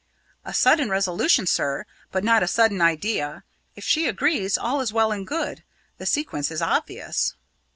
"A sudden resolution, sir, but not a sudden idea. If she agrees, all is well and good. The sequence is obvious."